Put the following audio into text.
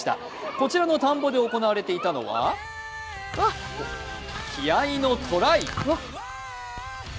こちらの田んぼで行われていたのは気合いのトライ。